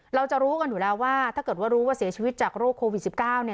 เราจะรู้กันอยู่แล้วว่าถ้าเกิดว่ารู้ว่าเสียชีวิตจากโรคโควิด๑๙